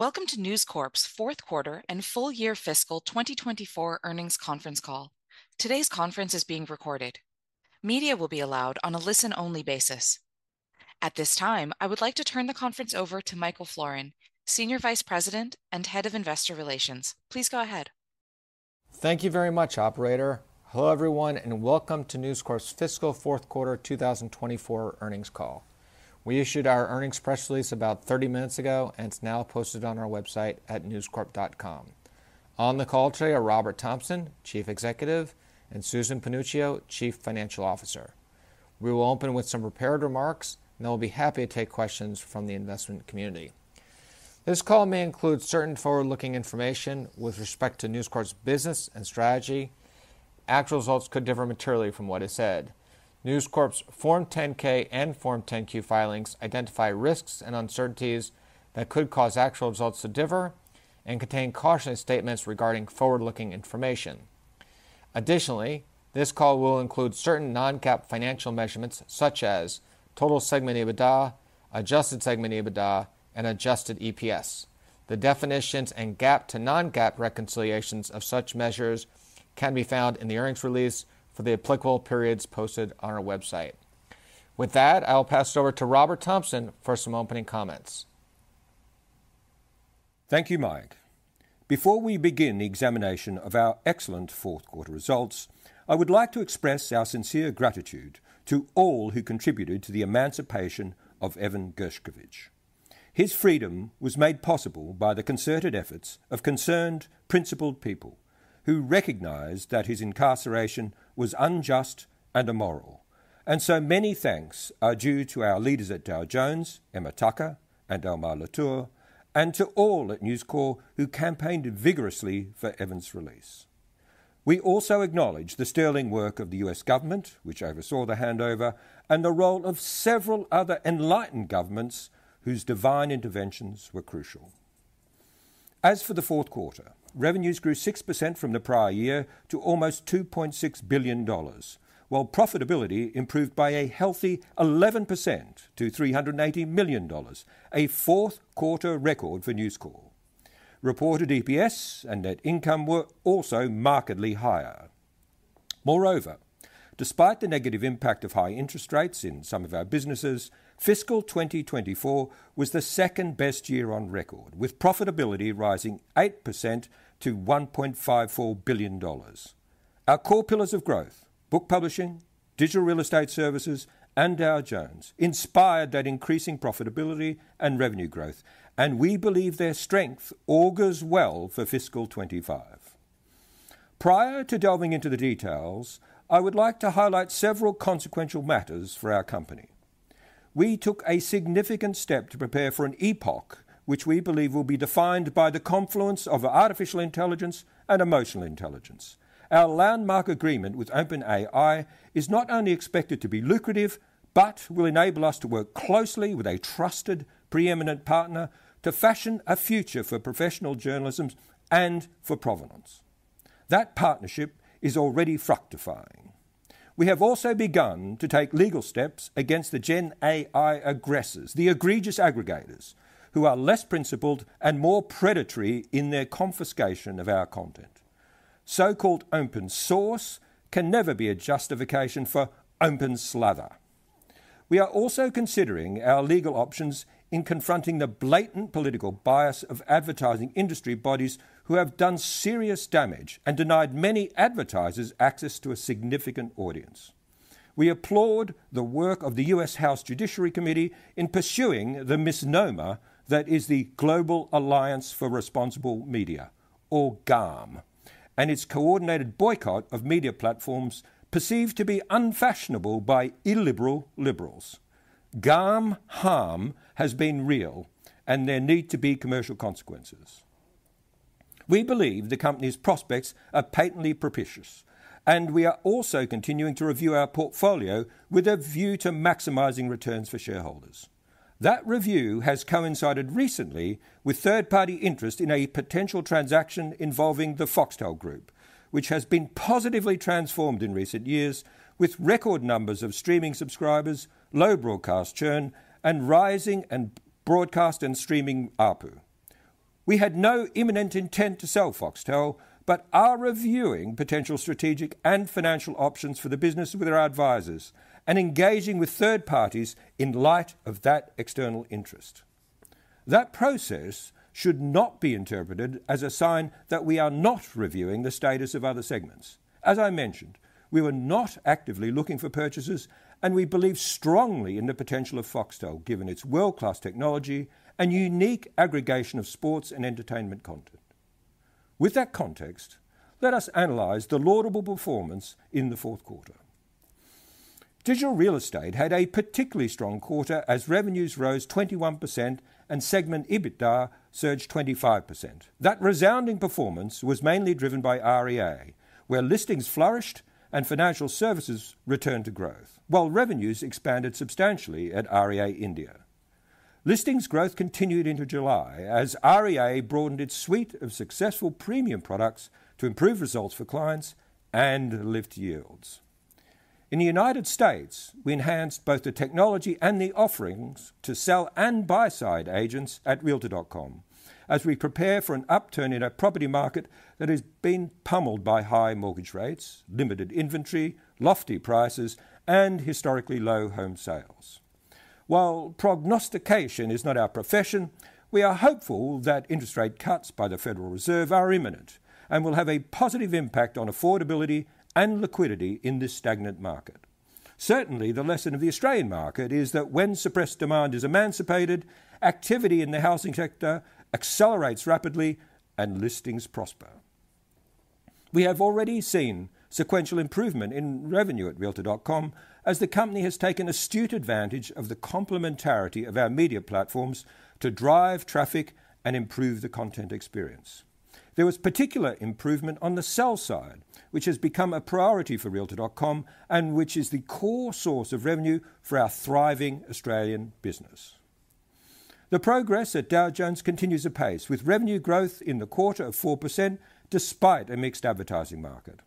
Welcome to News Corp's fourth quarter and full year fiscal 2024 earnings conference call. Today's conference is being recorded. Media will be allowed on a listen-only basis. At this time, I would like to turn the conference over to Michael Florin, Senior Vice President and Head of Investor Relations. Please go ahead. Thank you very much, operator. Hello, everyone, and welcome to News Corp's fiscal fourth quarter 2024 earnings call. We issued our earnings press release about 30 minutes ago, and it's now posted on our website at newscorp.com. On the call today are Robert Thomson, Chief Executive, and Susan Panuccio, Chief Financial Officer. We will open with some prepared remarks, and then we'll be happy to take questions from the investment community. This call may include certain forward-looking information with respect to News Corp's business and strategy. Actual results could differ materially from what is said. News Corp's Form 10-K and Form 10-Q filings identify risks and uncertainties that could cause actual results to differ and contain cautionary statements regarding forward-looking information. Additionally, this call will include certain non-GAAP financial measurements, such as total segment EBITDA, adjusted segment EBITDA, and adjusted EPS. The definitions and GAAP to non-GAAP reconciliations of such measures can be found in the earnings release for the applicable periods posted on our website. With that, I will pass it over to Robert Thomson for some opening comments. Thank you, Mike. Before we begin the examination of our excellent fourth quarter results, I would like to express our sincere gratitude to all who contributed to the emancipation of Evan Gershkovich. His freedom was made possible by the concerted efforts of concerned, principled people who recognized that his incarceration was unjust and immoral. So many thanks are due to our leaders at Dow Jones, Emma Tucker and Almar Latour, and to all at News Corp who campaigned vigorously for Evan's release. We also acknowledge the sterling work of the U.S. government, which oversaw the handover, and the role of several other enlightened governments whose divine interventions were crucial. As for the fourth quarter, revenues grew 6% from the prior year to almost $2.6 billion, while profitability improved by a healthy 11% to $380 million, a fourth quarter record for News Corp. Reported EPS and net income were also markedly higher. Moreover, despite the negative impact of high interest rates in some of our businesses, fiscal 2024 was the second-best year on record, with profitability rising 8% to $1.54 billion. Our core pillars of growth, book publishing, digital real estate services, and Dow Jones, inspired that increasing profitability and revenue growth, and we believe their strength augurs well for fiscal 2025. Prior to delving into the details, I would like to highlight several consequential matters for our company. We took a significant step to prepare for an epoch, which we believe will be defined by the confluence of artificial intelligence and emotional intelligence. Our landmark agreement with OpenAI is not only expected to be lucrative, but will enable us to work closely with a trusted, preeminent partner to fashion a future for professional journalism and for provenance. That partnership is already fructifying. We have also begun to take legal steps against the Gen AI aggressors, the egregious aggregators who are less principled and more predatory in their confiscation of our content. So-called open source can never be a justification for open slather. We are also considering our legal options in confronting the blatant political bias of advertising industry bodies who have done serious damage and denied many advertisers access to a significant audience. We applaud the work of the US House Judiciary Committee in pursuing the misnomer that is the Global Alliance for Responsible Media, or GARM, and its coordinated boycott of media platforms perceived to be unfashionable by illiberal liberals. GARM harm has been real, and there need to be commercial consequences. We believe the company's prospects are patently propitious, and we are also continuing to review our portfolio with a view to maximizing returns for shareholders. That review has coincided recently with third-party interest in a potential transaction involving the Foxtel Group, which has been positively transformed in recent years with record numbers of streaming subscribers, low broadcast churn, and rising and broadcast and streaming ARPU. We had no imminent intent to sell Foxtel, but are reviewing potential strategic and financial options for the business with our advisors and engaging with third parties in light of that external interest. That process should not be interpreted as a sign that we are not reviewing the status of other segments. As I mentioned, we were not actively looking for purchases, and we believe strongly in the potential of Foxtel, given its world-class technology and unique aggregation of sports and entertainment content. With that context, let us analyze the laudable performance in the fourth quarter. Digital Real Estate had a particularly strong quarter as revenues rose 21% and segment EBITDA surged 25%. That resounding performance was mainly driven by REA, where listings flourished and financial services returned to growth, while revenues expanded substantially at REA India. Listings growth continued into July as REA broadened its suite of successful premium products to improve results for clients and lift yields.... In the United States, we enhanced both the technology and the offerings to sell-side and buy-side agents at Realtor.com, as we prepare for an upturn in a property market that has been pummeled by high mortgage rates, limited inventory, lofty prices, and historically low home sales. While prognostication is not our profession, we are hopeful that interest rate cuts by the Federal Reserve are imminent and will have a positive impact on affordability and liquidity in this stagnant market. Certainly, the lesson of the Australian market is that when suppressed demand is emancipated, activity in the housing sector accelerates rapidly and listings prosper. We have already seen sequential improvement in revenue at Realtor.com as the company has taken astute advantage of the complementarity of our media platforms to drive traffic and improve the content experience. There was particular improvement on the sell side, which has become a priority for Realtor.com, and which is the core source of revenue for our thriving Australian business. The progress at Dow Jones continues apace, with revenue growth in the quarter of 4% despite a mixed advertising market.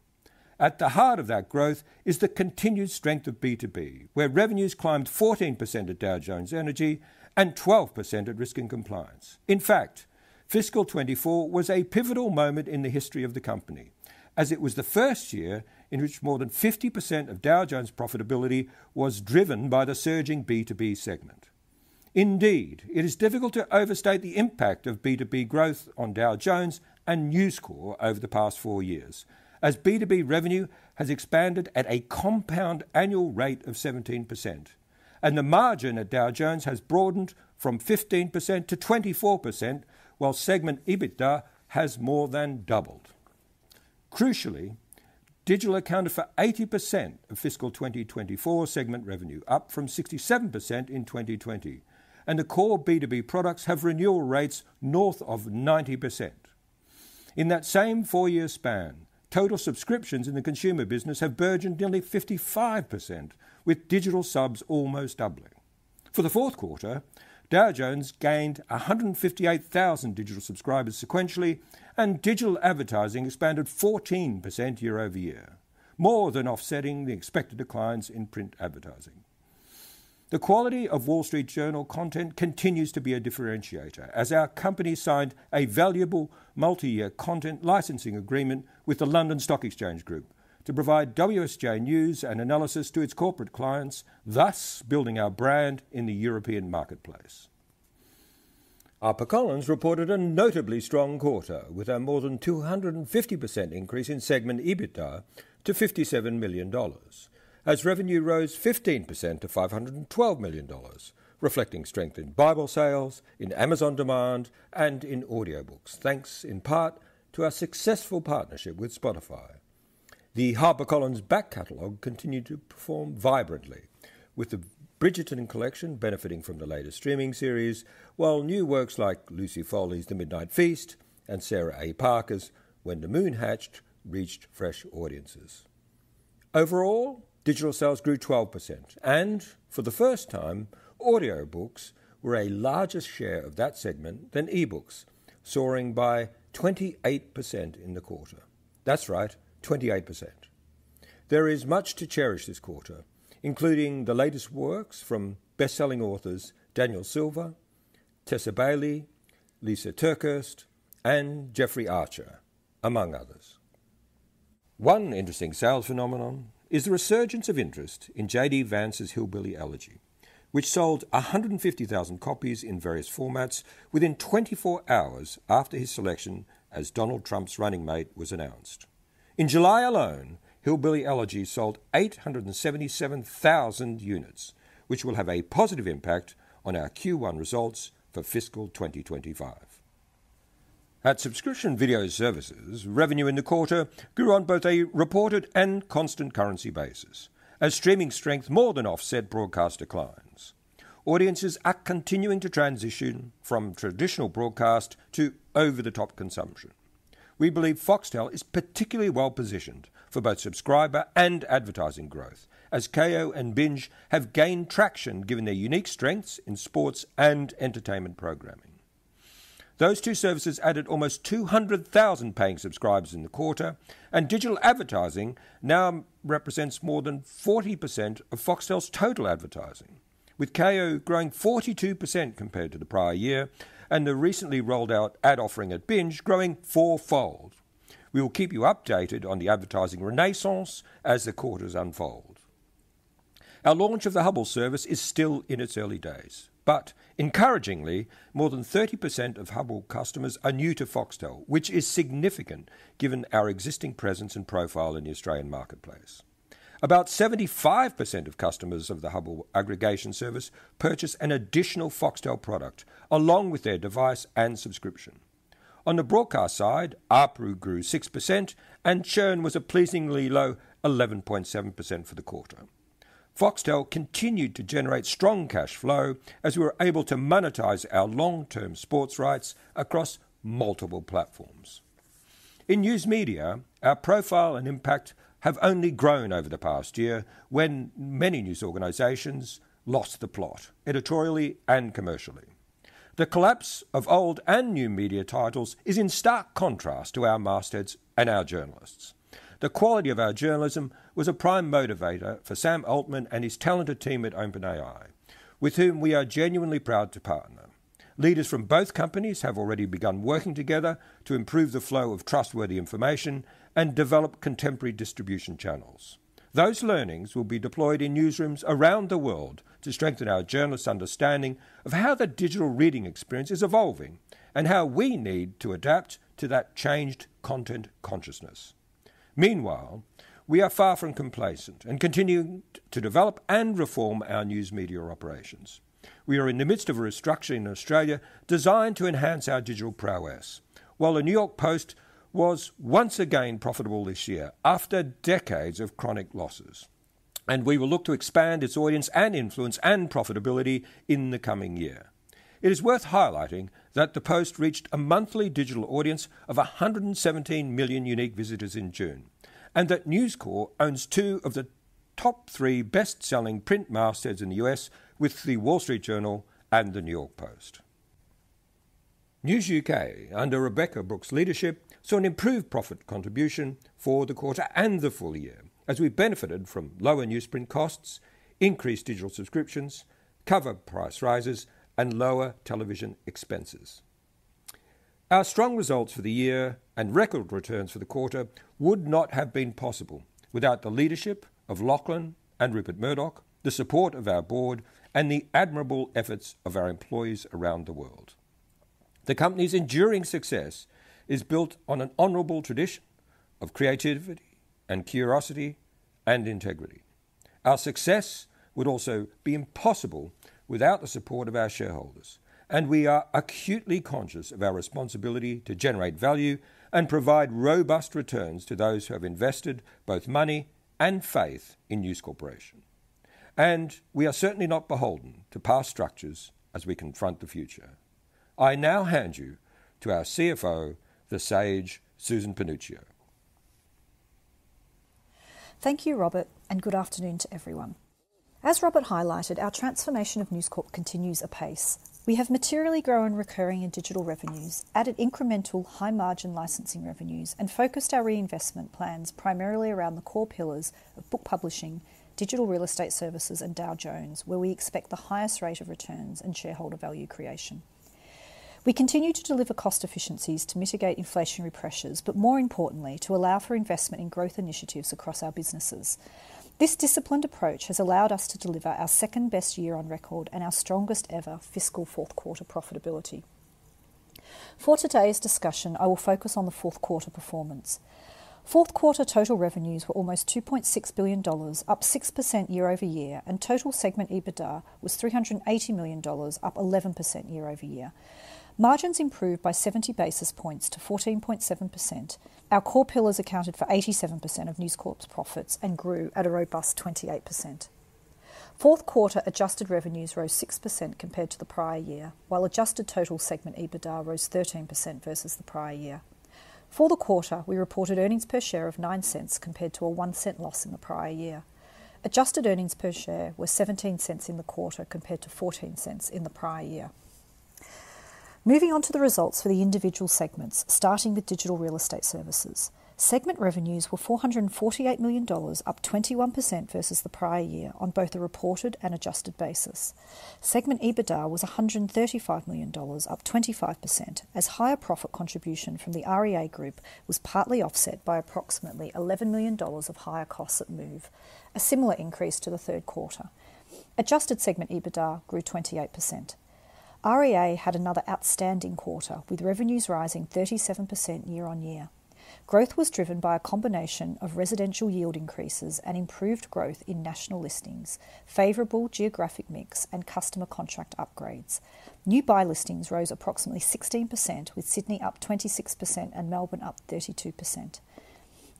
At the heart of that growth is the continued strength of B2B, where revenues climbed 14% at Dow Jones Energy and 12% at Risk and Compliance. In fact, fiscal 2024 was a pivotal moment in the history of the company, as it was the first year in which more than 50% of Dow Jones' profitability was driven by the surging B2B segment. Indeed, it is difficult to overstate the impact of B2B growth on Dow Jones and News Corp over the past four years, as B2B revenue has expanded at a compound annual rate of 17%, and the margin at Dow Jones has broadened from 15% to 24%, while segment EBITDA has more than doubled. Crucially, digital accounted for 80% of fiscal 2024 segment revenue, up from 67% in 2020, and the core B2B products have renewal rates north of 90%. In that same four-year span, total subscriptions in the consumer business have burgeoned nearly 55%, with digital subs almost doubling. For the fourth quarter, Dow Jones gained 158,000 digital subscribers sequentially, and digital advertising expanded 14% year-over-year, more than offsetting the expected declines in print advertising. The quality of Wall Street Journal content continues to be a differentiator as our company signed a valuable multi-year content licensing agreement with the London Stock Exchange Group to provide WSJ news and analysis to its corporate clients, thus building our brand in the European marketplace. HarperCollins reported a notably strong quarter, with a more than 250% increase in segment EBITDA to $57 million, as revenue rose 15% to $512 million, reflecting strength in Bible sales, in Amazon demand, and in audiobooks, thanks in part to our successful partnership with Spotify. The HarperCollins back catalog continued to perform vibrantly, with the Bridgerton collection benefiting from the latest streaming series, while new works like Lucy Foley's The Midnight Feast and Sarah A. Parker's When the Moon Hatched reached fresh audiences. Overall, digital sales grew 12%, and for the first time, audiobooks were a larger share of that segment than e-books, soaring by 28% in the quarter. That's right, 28%. There is much to cherish this quarter, including the latest works from best-selling authors Daniel Silva, Tessa Bailey, Lysa TerKeurst, and Jeffrey Archer, among others. One interesting sales phenomenon is the resurgence of interest in J.D. Vance's Hillbilly Elegy, which sold 150,000 copies in various formats within 24 hours after his selection as Donald Trump's running mate was announced. In July alone, Hillbilly Elegy sold 877,000 units, which will have a positive impact on our Q1 results for fiscal 2025. At Subscription Video Services, revenue in the quarter grew on both a reported and constant currency basis, as streaming strength more than offset broadcast declines. Audiences are continuing to transition from traditional broadcast to over-the-top consumption. We believe Foxtel is particularly well-positioned for both subscriber and advertising growth, as Kayo and Binge have gained traction given their unique strengths in sports and entertainment programming. Those two services added almost 200,000 paying subscribers in the quarter, and digital advertising now represents more than 40% of Foxtel's total advertising, with Kayo growing 42% compared to the prior year and the recently rolled out ad offering at Binge growing fourfold. We will keep you updated on the advertising renaissance as the quarters unfold. Our launch of the Hubbl service is still in its early days, but encouragingly, more than 30% of Hubbl customers are new to Foxtel, which is significant given our existing presence and profile in the Australian marketplace. About 75% of customers of the Hubbl aggregation service purchase an additional Foxtel product, along with their device and subscription. On the broadcast side, ARPU grew 6% and churn was a pleasingly low 11.7% for the quarter. Foxtel continued to generate strong cash flow as we were able to monetize our long-term sports rights across multiple platforms. In news media, our profile and impact have only grown over the past year, when many news organizations lost the plot, editorially and commercially. The collapse of old and new media titles is in stark contrast to our mastheads and our journalists. The quality of our journalism was a prime motivator for Sam Altman and his talented team at OpenAI, with whom we are genuinely proud to partner. Leaders from both companies have already begun working together to improve the flow of trustworthy information and develop contemporary distribution channels. Those learnings will be deployed in newsrooms around the world to strengthen our journalists' understanding of how the digital reading experience is evolving and how we need to adapt to that changed content consciousness. Meanwhile, we are far from complacent and continuing to develop and reform our news media operations. We are in the midst of a restructure in Australia designed to enhance our digital prowess. While the New York Post was once again profitable this year after decades of chronic losses, and we will look to expand its audience and influence and profitability in the coming year. It is worth highlighting that the Post reached a monthly digital audience of 117 million unique visitors in June, and that News Corp owns two of the top three best-selling print mastheads in the U.S. with The Wall Street Journal and the New York Post. News UK, under Rebekah Brooks' leadership, saw an improved profit contribution for the quarter and the full year as we benefited from lower newsprint costs, increased digital subscriptions, cover price rises, and lower television expenses. Our strong results for the year and record returns for the quarter would not have been possible without the leadership of Lachlan and Rupert Murdoch, the support of our board, and the admirable efforts of our employees around the world. The company's enduring success is built on an honorable tradition of creativity and curiosity and integrity. Our success would also be impossible without the support of our shareholders, and we are acutely conscious of our responsibility to generate value and provide robust returns to those who have invested both money and faith in News Corporation. We are certainly not beholden to past structures as we confront the future. I now hand you to our CFO, the sage, Susan Panuccio. Thank you, Robert, and good afternoon to everyone. As Robert highlighted, our transformation of News Corp continues apace. We have materially grown recurring and digital revenues, added incremental high-margin licensing revenues, and focused our reinvestment plans primarily around the core pillars of book publishing, digital real estate services, and Dow Jones, where we expect the highest rate of returns and shareholder value creation. We continue to deliver cost efficiencies to mitigate inflationary pressures, but more importantly, to allow for investment in growth initiatives across our businesses. This disciplined approach has allowed us to deliver our second-best year on record and our strongest ever fiscal fourth quarter profitability. For today's discussion, I will focus on the fourth quarter performance. Fourth quarter total revenues were almost $2.6 billion, up 6% year-over-year, and total segment EBITDA was $380 million, up 11% year-over-year. Margins improved by 70 basis points to 14.7%. Our core pillars accounted for 87% of News Corp's profits and grew at a robust 28%. Fourth quarter adjusted revenues rose 6% compared to the prior year, while adjusted total segment EBITDA rose 13% versus the prior year. For the quarter, we reported earnings per share of $0.09, compared to a $0.01 loss in the prior year. Adjusted earnings per share were $0.17 in the quarter, compared to $0.14 in the prior year. Moving on to the results for the individual segments, starting with digital real estate services. Segment revenues were $448 million, up 21% versus the prior year on both a reported and adjusted basis. Segment EBITDA was $135 million, up 25%, as higher profit contribution from the REA Group was partly offset by approximately $11 million of higher costs at Move, a similar increase to the third quarter. Adjusted segment EBITDA grew 28%. REA had another outstanding quarter, with revenues rising 37% year-on-year. Growth was driven by a combination of residential yield increases and improved growth in national listings, favorable geographic mix, and customer contract upgrades. New buy listings rose approximately 16%, with Sydney up 26% and Melbourne up 32%.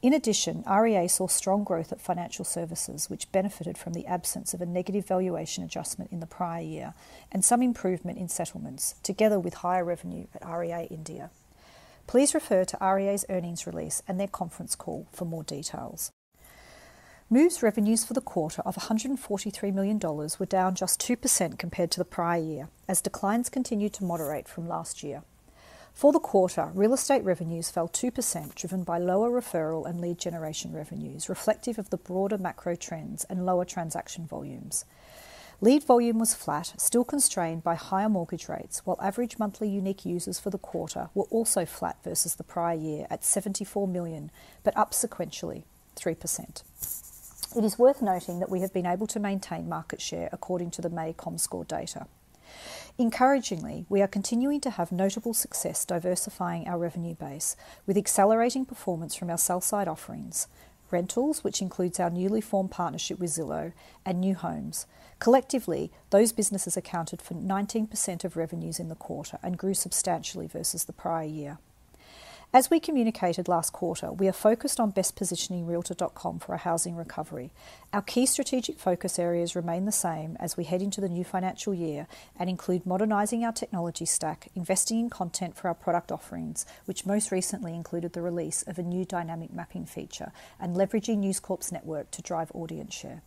In addition, REA saw strong growth at financial services, which benefited from the absence of a negative valuation adjustment in the prior year and some improvement in settlements, together with higher revenue at REA India. Please refer to REA's earnings release and their conference call for more details. Move's revenues for the quarter of $143 million were down just 2% compared to the prior year, as declines continued to moderate from last year. For the quarter, real estate revenues fell 2%, driven by lower referral and lead generation revenues, reflective of the broader macro trends and lower transaction volumes. Lead volume was flat, still constrained by higher mortgage rates, while average monthly unique users for the quarter were also flat versus the prior year at 74 million, but up sequentially 3%. It is worth noting that we have been able to maintain market share according to the May comScore data. Encouragingly, we are continuing to have notable success diversifying our revenue base with accelerating performance from our sell-side offerings, rentals, which includes our newly formed partnership with Zillow and New Homes. Collectively, those businesses accounted for 19% of revenues in the quarter and grew substantially versus the prior year. As we communicated last quarter, we are focused on best positioning Realtor.com for a housing recovery. Our key strategic focus areas remain the same as we head into the new financial year and include modernizing our technology stack, investing in content for our product offerings, which most recently included the release of a new dynamic mapping feature and leveraging News Corp's network to drive audience share.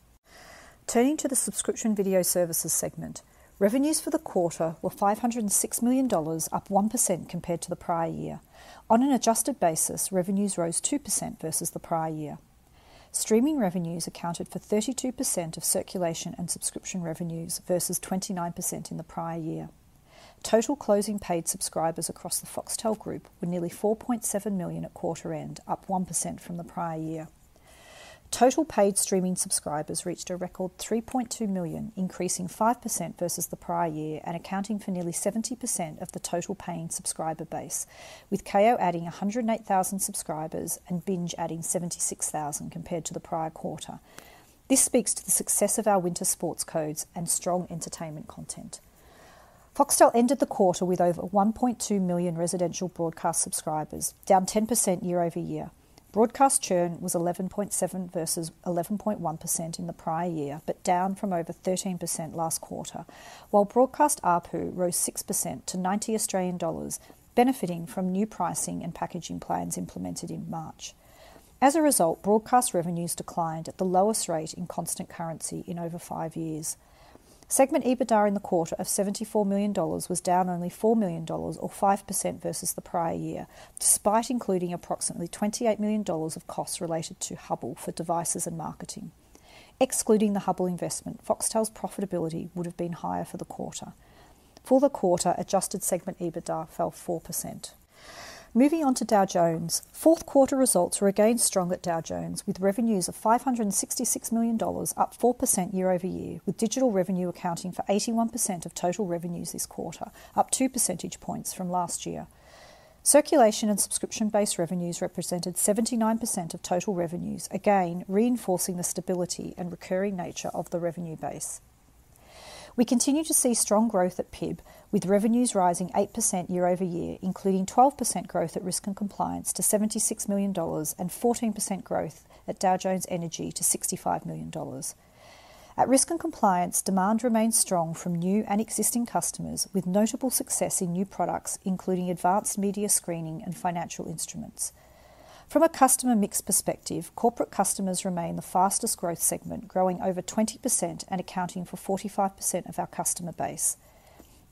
Turning to the subscription video services segment, revenues for the quarter were $506 million, up 1% compared to the prior year. On an adjusted basis, revenues rose 2% versus the prior year. Streaming revenues accounted for 32% of circulation and subscription revenues, versus 29% in the prior year. Total closing paid subscribers across the Foxtel Group were nearly 4.7 million at quarter end, up 1% from the prior year. Total paid streaming subscribers reached a record 3.2 million, increasing 5% versus the prior year, and accounting for nearly 70% of the total paying subscriber base, with Kayo adding 108,000 subscribers and Binge adding 76,000 compared to the prior quarter. This speaks to the success of our winter sports codes and strong entertainment content. Foxtel ended the quarter with over 1.2 million residential broadcast subscribers, down 10% year-over-year. Broadcast churn was 11.7% versus 11.1% in the prior year, but down from over 13% last quarter, while broadcast ARPU rose 6% to 90 Australian dollars, benefiting from new pricing and packaging plans implemented in March. As a result, broadcast revenues declined at the lowest rate in constant currency in over five years. Segment EBITDA in the quarter of $74 million was down only $4 million or 5% versus the prior year, despite including approximately $28 million of costs related to Hubbl for devices and marketing. Excluding the Hubbl investment, Foxtel's profitability would have been higher for the quarter. For the quarter, adjusted segment EBITDA fell 4%. Moving on to Dow Jones. Fourth quarter results were again strong at Dow Jones, with revenues of $566 million, up 4% year-over-year, with digital revenue accounting for 81% of total revenues this quarter, up two percentage points from last year. Circulation and subscription-based revenues represented 79% of total revenues, again, reinforcing the stability and recurring nature of the revenue base. We continue to see strong growth at PIB, with revenues rising 8% year-over-year, including 12% growth at Risk and Compliance to $76 million, and 14% growth at Dow Jones Energy to $65 million. At Risk and Compliance, demand remains strong from new and existing customers, with notable success in new products, including Advanced Media Screening and Financial Instruments. From a customer mix perspective, corporate customers remain the fastest growth segment, growing over 20% and accounting for 45% of our customer base.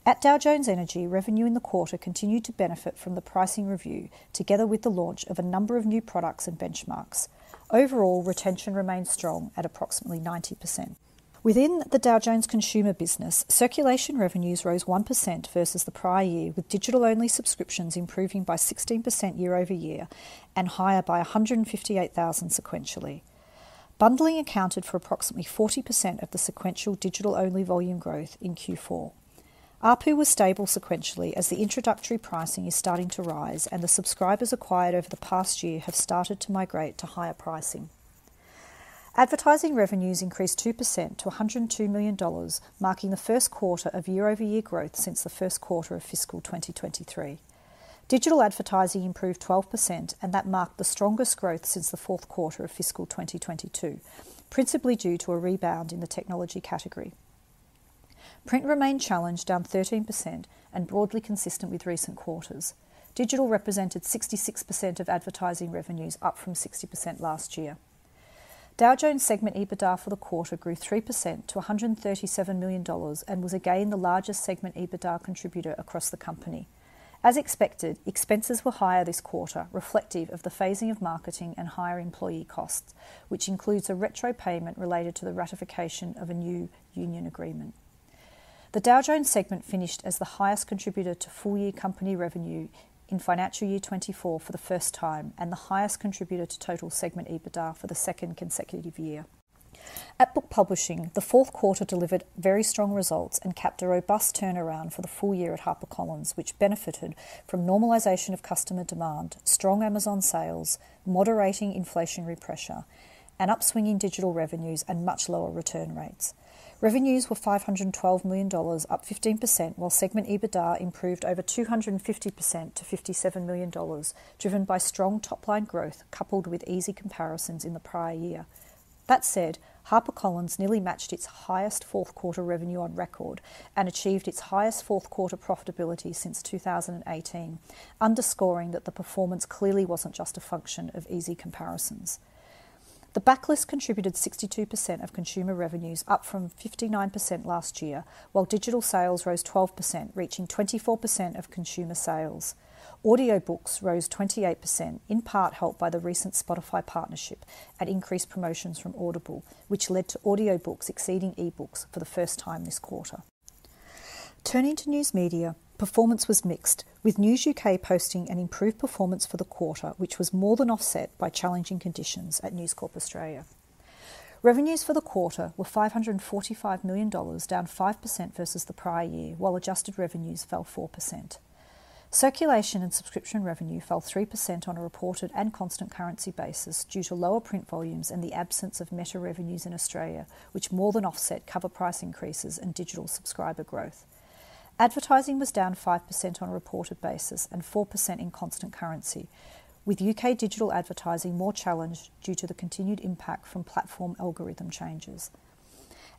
At Dow Jones Energy, revenue in the quarter continued to benefit from the pricing review, together with the launch of a number of new products and benchmarks. Overall, retention remains strong at approximately 90%. Within the Dow Jones Consumer business, circulation revenues rose 1% versus the prior year, with digital-only subscriptions improving by 16% year-over-year and higher by 158,000 sequentially. Bundling accounted for approximately 40% of the sequential digital-only volume growth in Q4. ARPU was stable sequentially as the introductory pricing is starting to rise, and the subscribers acquired over the past year have started to migrate to higher pricing. Advertising revenues increased 2% to $102 million, marking the first quarter of year-over-year growth since the first quarter of fiscal 2023. Digital advertising improved 12%, and that marked the strongest growth since the fourth quarter of fiscal 2022, principally due to a rebound in the technology category. Print remained challenged, down 13% and broadly consistent with recent quarters. Digital represented 66% of advertising revenues, up from 60% last year. Dow Jones segment EBITDA for the quarter grew 3% to $137 million and was again the largest segment EBITDA contributor across the company. As expected, expenses were higher this quarter, reflective of the phasing of marketing and higher employee costs, which includes a retro payment related to the ratification of a new union agreement. The Dow Jones segment finished as the highest contributor to full-year company revenue in financial year 2024 for the first time, and the highest contributor to total segment EBITDA for the second consecutive year. At Book Publishing, the fourth quarter delivered very strong results and capped a robust turnaround for the full year at HarperCollins, which benefited from normalization of customer demand, strong Amazon sales, moderating inflationary pressure, and upswinging digital revenues and much lower return rates. Revenues were $512 million, up 15%, while segment EBITDA improved over 250% to $57 million, driven by strong top-line growth, coupled with easy comparisons in the prior year. That said, HarperCollins nearly matched its highest fourth quarter revenue on record and achieved its highest fourth quarter profitability since 2018, underscoring that the performance clearly wasn't just a function of easy comparisons. The backlist contributed 62% of consumer revenues, up from 59% last year, while digital sales rose 12%, reaching 24% of consumer sales. Audiobooks rose 28%, in part helped by the recent Spotify partnership and increased promotions from Audible, which led to audiobooks exceeding eBooks for the first time this quarter. Turning to News Media, performance was mixed, with News UK posting an improved performance for the quarter, which was more than offset by challenging conditions at News Corp Australia. Revenues for the quarter were $545 million, down 5% versus the prior year, while adjusted revenues fell 4%. Circulation and subscription revenue fell 3% on a reported and constant currency basis due to lower print volumes and the absence of Meta revenues in Australia, which more than offset cover price increases and digital subscriber growth. Advertising was down 5% on a reported basis and 4% in constant currency, with UK digital advertising more challenged due to the continued impact from platform algorithm changes.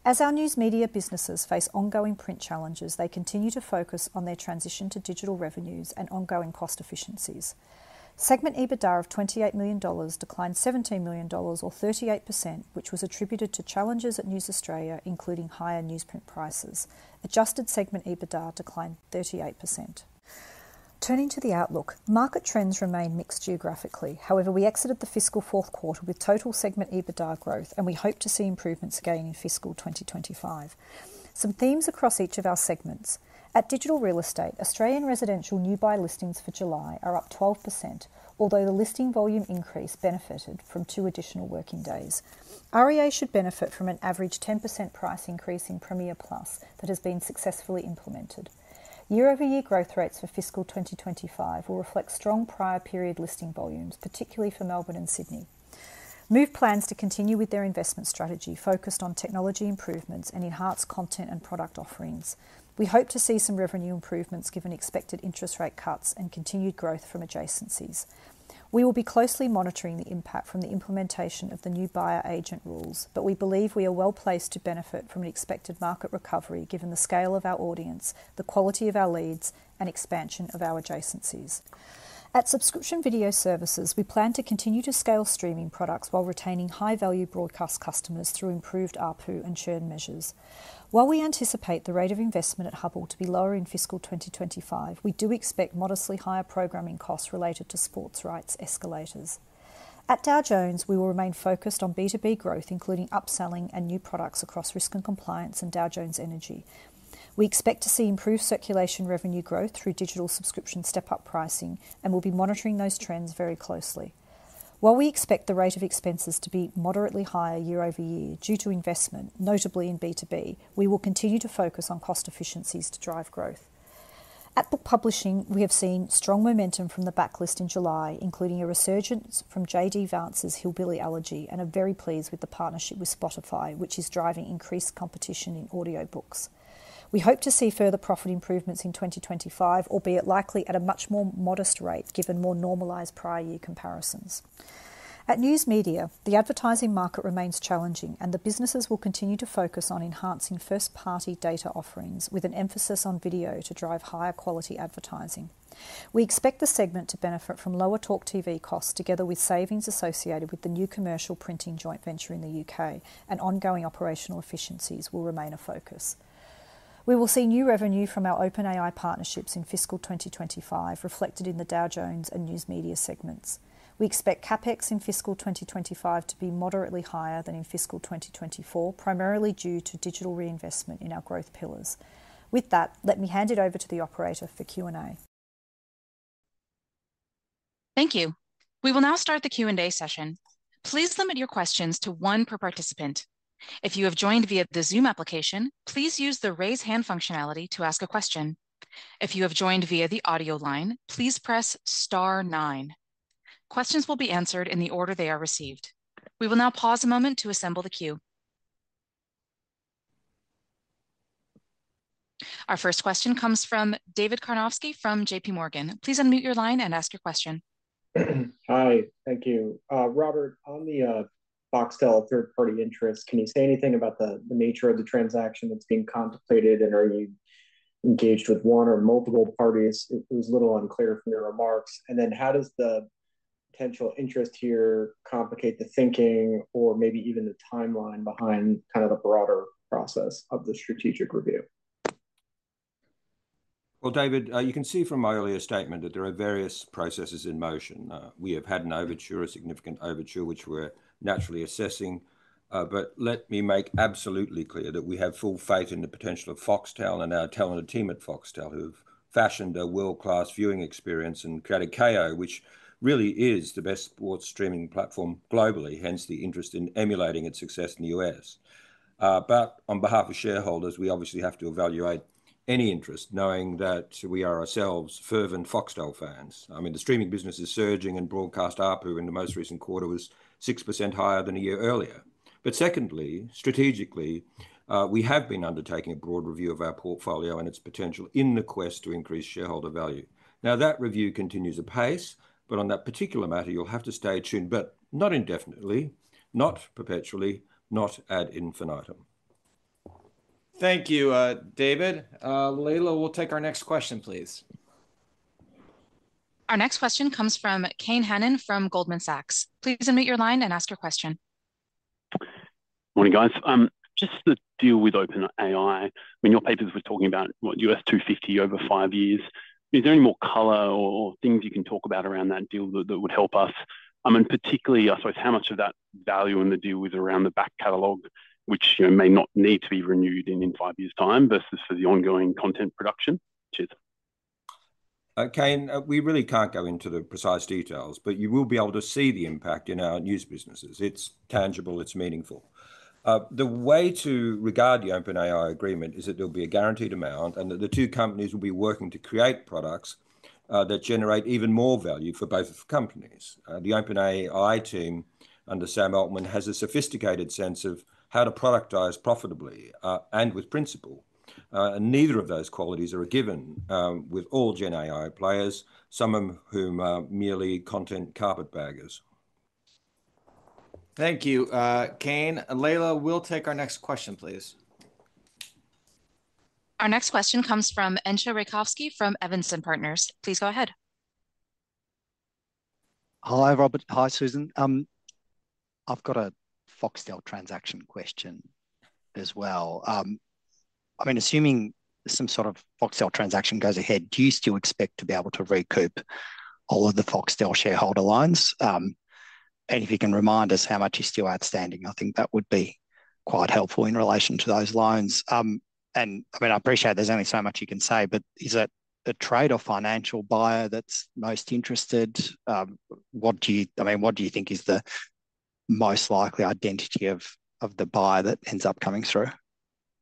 As our News Media businesses face ongoing print challenges, they continue to focus on their transition to digital revenues and ongoing cost efficiencies. Segment EBITDA of $28 million declined $17 million or 38%, which was attributed to challenges at News Australia, including higher newsprint prices. Adjusted segment EBITDA declined 38%. Turning to the outlook, market trends remain mixed geographically. However, we exited the fiscal fourth quarter with total segment EBITDA growth, and we hope to see improvements again in fiscal 2025. Some themes across each of our segments. At Digital Real Estate, Australian residential new buy listings for July are up 12%, although the listing volume increase benefited from 2 additional working days. REA should benefit from an average 10% price increase in Premiere+ that has been successfully implemented. Year-over-year growth rates for fiscal 2025 will reflect strong prior period listing volumes, particularly for Melbourne and Sydney. Move plans to continue with their investment strategy, focused on technology improvements and enhanced content and product offerings. We hope to see some revenue improvements, given expected interest rate cuts and continued growth from adjacencies. We will be closely monitoring the impact from the implementation of the new buyer agent rules, but we believe we are well-placed to benefit from an expected market recovery, given the scale of our audience, the quality of our leads, and expansion of our adjacencies. At Subscription Video Services, we plan to continue to scale streaming products while retaining high-value broadcast customers through improved ARPU and churn measures. While we anticipate the rate of investment at Hubbl to be lower in fiscal 2025, we do expect modestly higher programming costs related to sports rights escalators. At Dow Jones, we will remain focused on B2B growth, including upselling and new products across risk and compliance in Dow Jones Energy. We expect to see improved circulation revenue growth through digital subscription step-up pricing, and we'll be monitoring those trends very closely. While we expect the rate of expenses to be moderately higher year-over-year due to investment, notably in B2B, we will continue to focus on cost efficiencies to drive growth. At Book Publishing, we have seen strong momentum from the backlist in July, including a resurgence from J.D. Vance's Hillbilly Elegy, and are very pleased with the partnership with Spotify, which is driving increased competition in audiobooks. We hope to see further profit improvements in 2025, albeit likely at a much more modest rate, given more normalized prior year comparisons. At News Media, the advertising market remains challenging, and the businesses will continue to focus on enhancing first-party data offerings, with an emphasis on video to drive higher quality advertising. We expect the segment to benefit from lower TalkTV costs, together with savings associated with the new commercial printing joint venture in the UK, and ongoing operational efficiencies will remain a focus. We will see new revenue from our OpenAI partnerships in fiscal 2025, reflected in the Dow Jones and News Media segments. We expect CapEx in fiscal 2025 to be moderately higher than in fiscal 2024, primarily due to digital reinvestment in our growth pillars. With that, let me hand it over to the operator for Q&A. Thank you. We will now start the Q&A session. Please limit your questions to one per participant. If you have joined via the Zoom application, please use the Raise Hand functionality to ask a question. If you have joined via the audio line, please press star nine. Questions will be answered in the order they are received. We will now pause a moment to assemble the queue. Our first question comes from David Karnovsky from JPMorgan. Please unmute your line and ask your question. Hi, thank you. Robert, on the Foxtel third-party interest, can you say anything about the nature of the transaction that's being contemplated, and are you engaged with one or multiple parties? It was a little unclear from your remarks. And then, how does the potential interest here complicate the thinking or maybe even the timeline behind kind of the broader process of the strategic review? Well, David, you can see from my earlier statement that there are various processes in motion. We have had an overture, a significant overture, which we're naturally assessing. But let me make absolutely clear that we have full faith in the potential of Foxtel and our talented team at Foxtel, who've fashioned a world-class viewing experience and created Kayo, which really is the best sports streaming platform globally, hence the interest in emulating its success in the U.S. But on behalf of shareholders, we obviously have to evaluate any interest, knowing that we are ourselves fervent Foxtel fans. I mean, the streaming business is surging, and broadcast ARPU in the most recent quarter was 6% higher than a year earlier. But secondly, strategically, we have been undertaking a broad review of our portfolio and its potential in the quest to increase shareholder value. Now, that review continues apace, but on that particular matter, you'll have to stay tuned, but not indefinitely, not perpetually, not ad infinitum. Thank you, David. Layla, we'll take our next question, please. Our next question comes from Kane Hannan from Goldman Sachs. Please unmute your line and ask your question. Morning, guys. Just to deal with OpenAI, I mean, your papers were talking about, what? $250 over five years. Is there any more color or things you can talk about around that deal that would help us? And particularly, I suppose, how much of that value in the deal is around the back catalog, which, you know, may not need to be renewed in five years' time, versus for the ongoing content production? Cheers. Kane, we really can't go into the precise details, but you will be able to see the impact in our news businesses. It's tangible, it's meaningful. The way to regard the OpenAI agreement is that there'll be a guaranteed amount, and that the two companies will be working to create products, that generate even more value for both companies. The OpenAI team, under Sam Altman, has a sophisticated sense of how to productize profitably, and with principle. Neither of those qualities are a given, with all Gen AI players, some of whom are merely content carpetbaggers. Thank you, Kane. Layla, we'll take our next question, please. Our next question comes from Entcho Raykovski from Evans & Partners. Please go ahead. Hi, Robert. Hi, Susan. I've got a Foxtel transaction question as well. I mean, assuming some sort of Foxtel transaction goes ahead, do you still expect to be able to recoup all of the Foxtel shareholder loans? And if you can remind us how much is still outstanding, I think that would be quite helpful in relation to those loans. And I mean, I appreciate there's only so much you can say, but is it a trade or financial buyer that's most interested? What do you- I mean, what do you think is the most likely identity of, of the buyer that ends up coming through?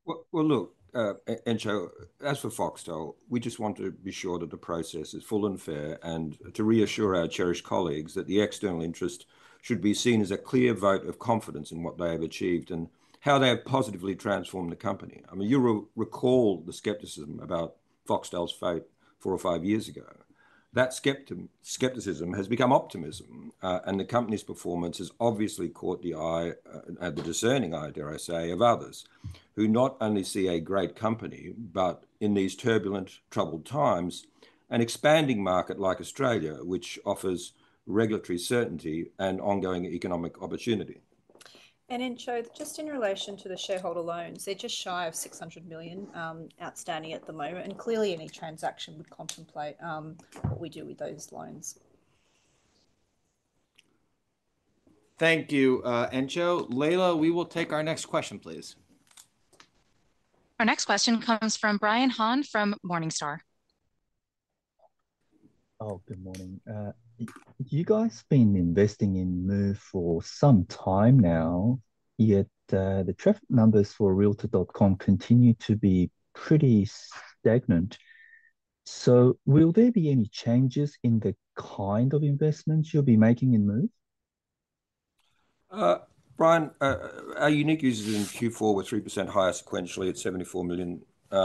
Well, well, look, Entcho, as for Foxtel, we just want to be sure that the process is full and fair, and to reassure our cherished colleagues that the external interest should be seen as a clear vote of confidence in what they have achieved and how they have positively transformed the company. I mean, you recall the skepticism about Foxtel's fate four or five years ago. That skepticism has become optimism, and the company's performance has obviously caught the eye, and the discerning eye, dare I say, of others, who not only see a great company, but in these turbulent, troubled times, an expanding market like Australia, which offers regulatory certainty and ongoing economic opportunity. Entcho, just in relation to the shareholder loans, they're just shy of $600 million outstanding at the moment, and clearly any transaction would contemplate what we do with those loans. Thank you, Entcho. Layla, we will take our next question, please. Our next question comes from Brian Han from Morningstar. Oh, good morning. You guys been investing in Move for some time now, yet, the traffic numbers for Realtor.com continue to be pretty stagnant. So will there be any changes in the kind of investments you'll be making in Move? Brian, our unique users in Q4 were 3% higher sequentially at 74 million,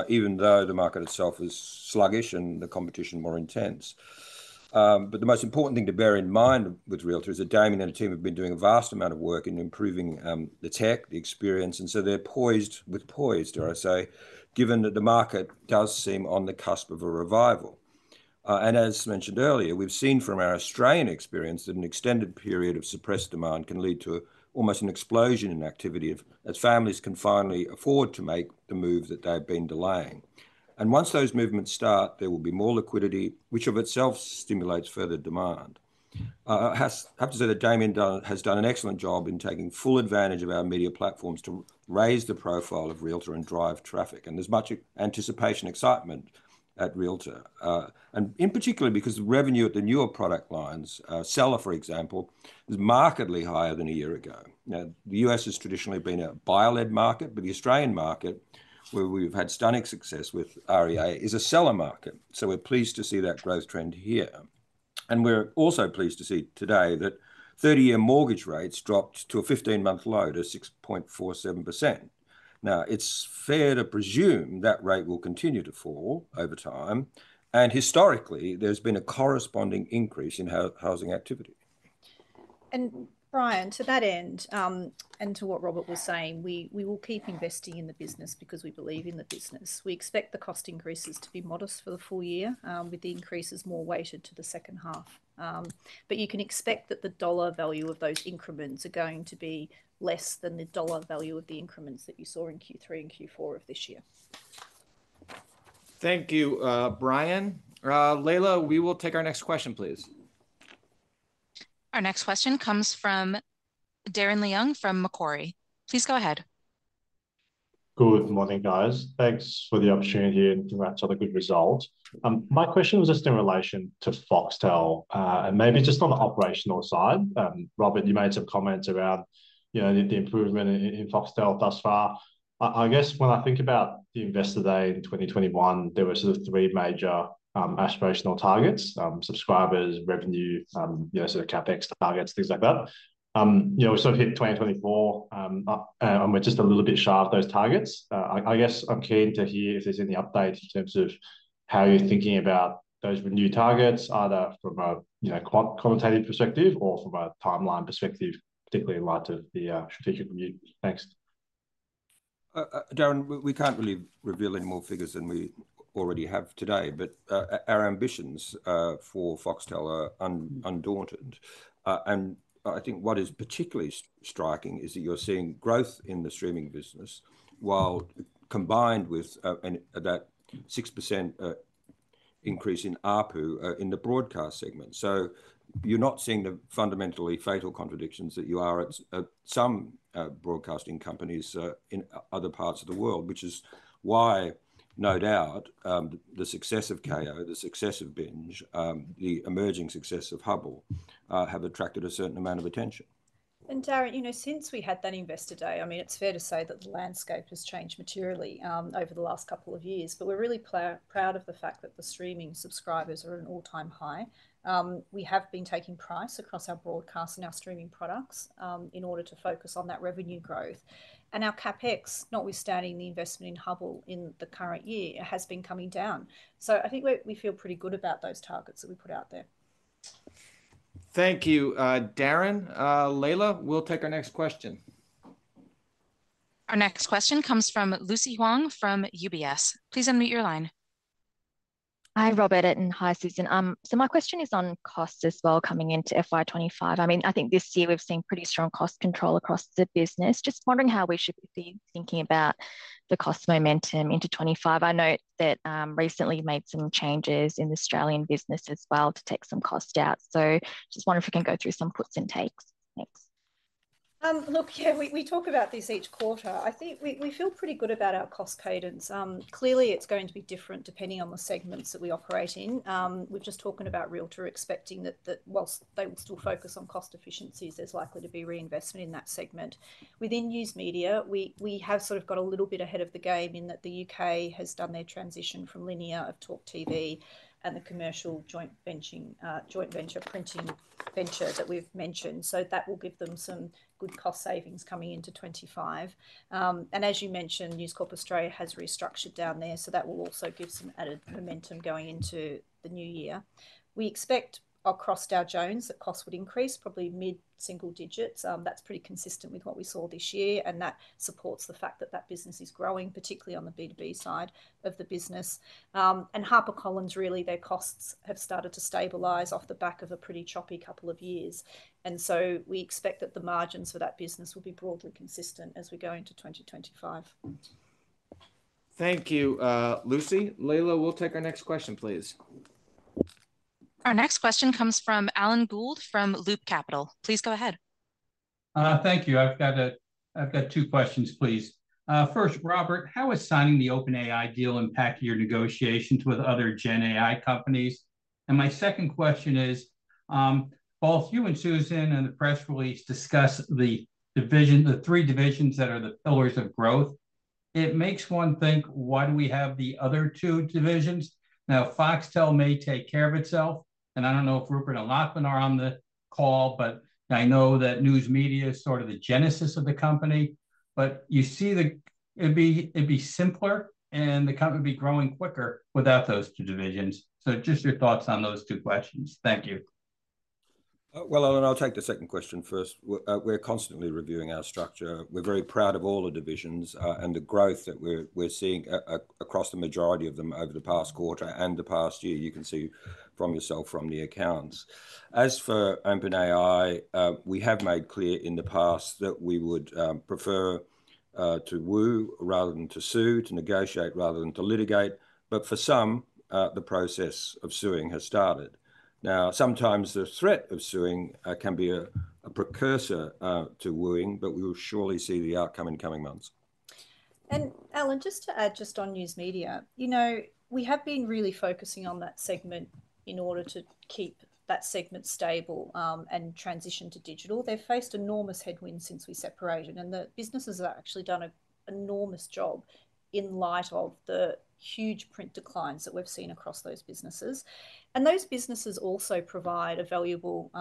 even though the market itself was sluggish and the competition more intense. But the most important thing to bear in mind with Realtor is that Damian and the team have been doing a vast amount of work in improving the tech, the experience, and so they're poised, dare I say, given that the market does seem on the cusp of a revival. And as mentioned earlier, we've seen from our Australian experience, that an extended period of suppressed demand can lead to almost an explosion in activity, as families can finally afford to make the move that they've been delaying. And once those movements start, there will be more liquidity, which of itself stimulates further demand. I have to say that Damian has done an excellent job in taking full advantage of our media platforms to raise the profile of Realtor and drive traffic, and there's much anticipation, excitement at Realtor. And in particular, because the revenue at the newer product lines, seller, for example, is markedly higher than a year ago. Now, the U.S. has traditionally been a buyer-led market, but the Australian market, where we've had stunning success with REA, is a seller market. So we're pleased to see that growth trend here. And we're also pleased to see today that 30-year mortgage rates dropped to a 15-month low to 6.47%. Now, it's fair to presume that rate will continue to fall over time, and historically, there's been a corresponding increase in housing activity. Brian, to that end, and to what Robert was saying, we will keep investing in the business because we believe in the business. We expect the cost increases to be modest for the full year, with the increases more weighted to the second half. But you can expect that the dollar value of those increments are going to be less than the dollar value of the increments that you saw in Q3 and Q4 of this year. Thank you, Brian. Layla, we will take our next question, please. Our next question comes from Darren Leung from Macquarie. Please go ahead. Good morning, guys. Thanks for the opportunity here, and congrats on the good result. My question was just in relation to Foxtel, and maybe just on the operational side. Robert, you made some comments around, you know, the improvement in Foxtel thus far. I guess when I think about the Investor Day in 2021, there were sort of three major aspirational targets: subscribers, revenue, you know, sort of CapEx targets, things like that. You know, we sort of hit 2024, and we're just a little bit shy of those targets. I guess I'm keen to hear if there's any updates in terms of how you're thinking about those new targets, either from a quantitative perspective or from a timeline perspective, particularly in light of the strategic review. Thanks. Darren, we can't really reveal any more figures than we already have today, but our ambitions for Foxtel are undaunted. And I think what is particularly striking is that you're seeing growth in the streaming business, while combined with and that 6% increase in ARPU in the broadcast segment. So you're not seeing the fundamentally fatal contradictions that you are at some broadcasting companies in other parts of the world, which is why, no doubt, the success of Kayo, the success of Binge, the emerging success of Hubbl have attracted a certain amount of attention. Darren, you know, since we had that Investor Day, I mean, it's fair to say that the landscape has changed materially over the last couple of years, but we're really proud of the fact that the streaming subscribers are at an all-time high. We have been taking price across our broadcast and our streaming products in order to focus on that revenue growth. And our CapEx, notwithstanding the investment in Hubbl in the current year, has been coming down. So I think we feel pretty good about those targets that we put out there. Thank you, Darren. Layla, we'll take our next question. Our next question comes from Lucy Huang from UBS. Please unmute your line. Hi, Robert, and hi, Susan. So my question is on costs as well, coming into FY2025. I mean, I think this year we've seen pretty strong cost control across the business. Just wondering how we should be thinking about the cost momentum into 2025. I note that, recently you made some changes in the Australian business as well to take some cost out, so just wonder if you can go through some puts and takes. Thanks. Look, yeah, we talk about this each quarter. I think we feel pretty good about our cost cadence. Clearly, it's going to be different depending on the segments that we operate in. We're just talking about Realtor expecting that while they will still focus on cost efficiencies, there's likely to be reinvestment in that segment. Within News Media, we have sort of got a little bit ahead of the game, in that the U.K. has done their transition from linear of TalkTV and the commercial joint venture printing venture that we've mentioned. So that will give them some good cost savings coming into 2025. And as you mentioned, News Corp Australia has restructured down there, so that will also give some added momentum going into the new year. We expect across Dow Jones that costs would increase, probably mid-single digits. That's pretty consistent with what we saw this year, and that supports the fact that that business is growing, particularly on the B2B side of the business. And HarperCollins, really, their costs have started to stabilize off the back of a pretty choppy couple of years, and so we expect that the margins for that business will be broadly consistent as we go into 2025. Thank you, Lucy. Layla, we'll take our next question, please. Our next question comes from Alan Gould from Loop Capital. Please go ahead. Thank you. I've got two questions, please. First, Robert, how is signing the OpenAI deal impact your negotiations with other GenAI companies? And my second question is, both you and Susan in the press release discuss the division, the three divisions that are the pillars of growth. It makes one think, why do we have the other two divisions? Now, Foxtel may take care of itself, and I don't know if Rupert and Lachlan are on the call, but I know that News Media is sort of the genesis of the company. But it'd be, it'd be simpler and the company would be growing quicker without those two divisions. So just your thoughts on those two questions. Thank you. Well, Alan, I'll take the second question first. We're constantly reviewing our structure. We're very proud of all the divisions and the growth that we're seeing across the majority of them over the past quarter and the past year. You can see for yourself from the accounts. As for OpenAI, we have made clear in the past that we would prefer to woo rather than to sue, to negotiate rather than to litigate, but for some the process of suing has started. Now, sometimes the threat of suing can be a precursor to wooing, but we will surely see the outcome in coming months. Alan, just to add just on News Media, you know, we have been really focusing on that segment in order to keep that segment stable, and transition to digital. They've faced enormous headwinds since we separated, and the businesses have actually done an enormous job in light of the huge print declines that we've seen across those businesses. Those businesses also provide a valuable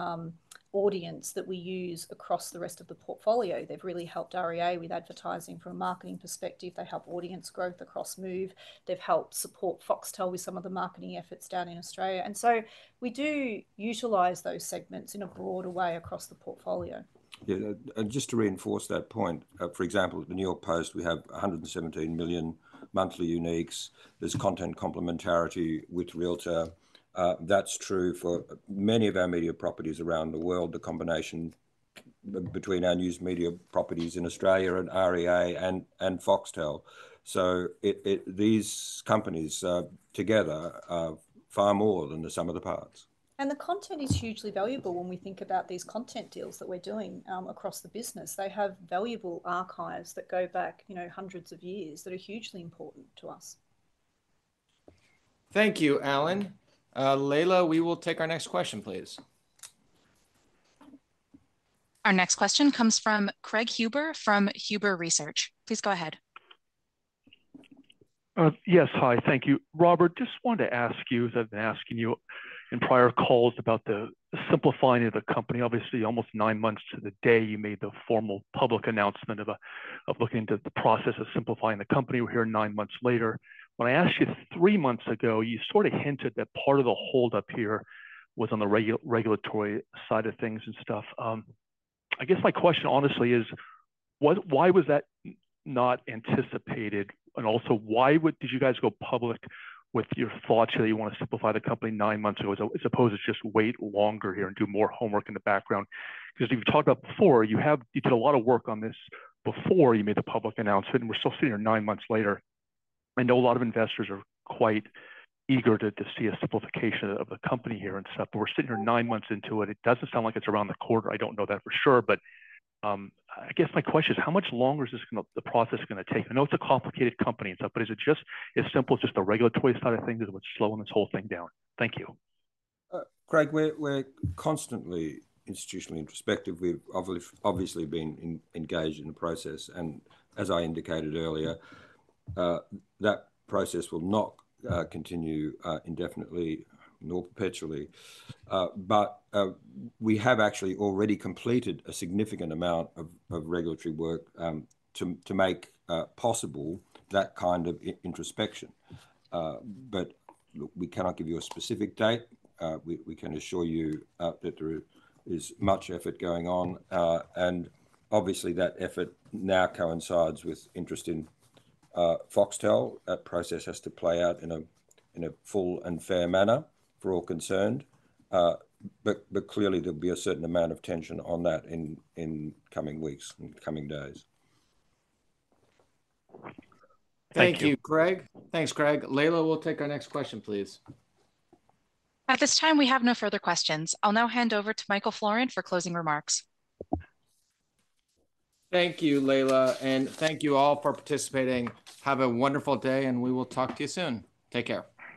audience that we use across the rest of the portfolio. They've really helped REA with advertising from a marketing perspective. They help audience growth across Move. They've helped support Foxtel with some of the marketing efforts down in Australia, and so we do utilize those segments in a broader way across the portfolio. Yeah, and just to reinforce that point, for example, at the New York Post, we have 117 million monthly uniques. There's content complementarity with Realtor. That's true for many of our media properties around the world, the combination between our News Media properties in Australia and REA and Foxtel. So these companies together are far more than the sum of the parts. The content is hugely valuable when we think about these content deals that we're doing, across the business. They have valuable archives that go back, you know, hundreds of years, that are hugely important to us. Thank you, Alan. Layla, we will take our next question, please. Our next question comes from Craig Huber from Huber Research. Please go ahead. Yes. Hi, thank you. Robert, just wanted to ask you, as I've been asking you in prior calls, about the simplifying of the company. Obviously, almost nine months to the day, you made the formal public announcement of looking into the process of simplifying the company. We're here nine months later. When I asked you three months ago, you sort of hinted that part of the hold-up here was on the regulatory side of things and stuff. I guess my question, honestly, is why was that not anticipated? And also, why did you guys go public with your thoughts that you want to simplify the company nine months ago, as opposed to just wait longer here and do more homework in the background? Because you've talked about before, you did a lot of work on this before you made the public announcement, and we're still sitting here nine months later. I know a lot of investors are quite eager to see a simplification of the company here and stuff, but we're sitting here nine months into it. It doesn't sound like it's around the corner. I don't know that for sure, but I guess my question is: How much longer is the process gonna take? I know it's a complicated company and stuff, but is it just as simple as just the regulatory side of things is what's slowing this whole thing down? Thank you. Craig, we're constantly institutionally introspective. We've obviously been engaged in the process, and as I indicated earlier, that process will not continue indefinitely, nor perpetually. But we have actually already completed a significant amount of regulatory work to make possible that kind of introspection. But look, we cannot give you a specific date. We can assure you that there is much effort going on, and obviously, that effort now coincides with interest in Foxtel. That process has to play out in a full and fair manner for all concerned. But clearly there'll be a certain amount of tension on that in coming weeks and coming days. Thank you, Craig. Thanks, Craig. Layla, we'll take our next question, please. At this time, we have no further questions. I'll now hand over to Michael Florin for closing remarks. Thank you, Layla, and thank you all for participating. Have a wonderful day, and we will talk to you soon. Take care.